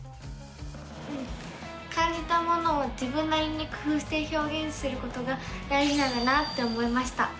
うん感じたものを自分なりに工ふうしてひょうげんすることが大じなんだなって思いました！